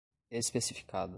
especificada